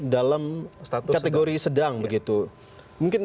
dalam kategori sedang begitu mungkin